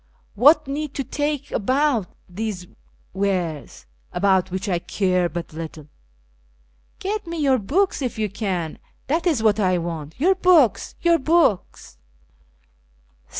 What need to talk about these wares, about which I care but little? (Jet nic your books if you can ; that is what I want — your books, your books